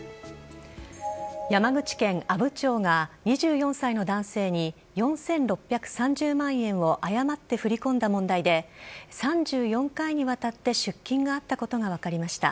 山口県阿武町が２４歳の男性に４６３０万円を誤って振り込んだ問題で３４回にわたって出金があったことが分かりました。